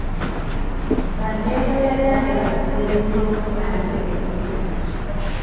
Banneekolera gyange basimba ebibira okufunamu ensimbi.